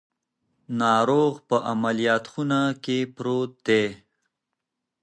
ناروغ په عملیاتو خونه کې پروت دی.